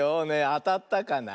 あたったかな？